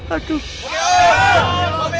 bang meun bang meun